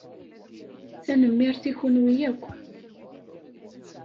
Tanemmirt i kenwi akk.